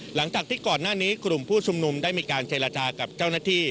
หลังจากที่ก่อนหน้านี้กลุ่มผู้ชุมนุมได้มีการเจรจากับเจ้าหน้าที่